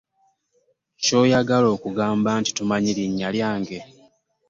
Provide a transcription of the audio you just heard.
Ky'oyagala okugamba nti tomanyi linya lyange.